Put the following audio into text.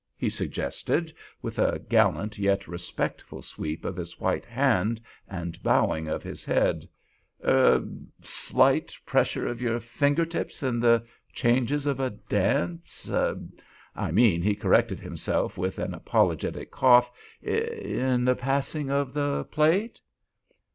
he suggested, with a gallant yet respectful sweep of his white hand and bowing of his head;—"er— slight pressure of your fingers in the changes of a dance—I mean," he corrected himself, with an apologetic cough—"in the passing of the plate?"